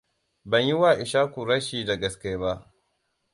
Ban yi wa Ishaku rashi da gaske ba.